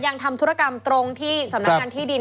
ทำธุรกรรมตรงที่สำนักงานที่ดิน